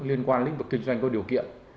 liên quan lĩnh vực kinh doanh có điều kiện